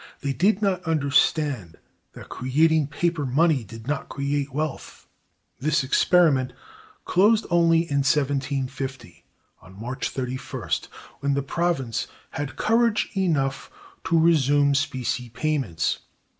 They did not understand that creating paper money did not create wealth. This experiment closed only in 1750 (March 31st), when the province had courage enough to resume specie payments.